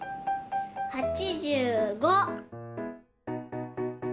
８５！